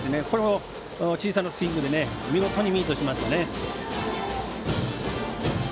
これを小さなスイングで見事にミートしましたね。